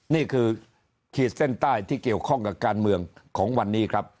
นี่คือขีดเส้นใต้ที่เกี่ยวข้องกับการเมืองของวันนี้ครับ